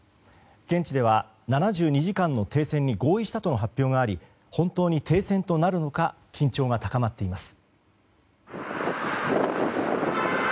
現地では７２時間の停戦に合意したとの発表があり本当に停戦となるのか緊張が高まっています。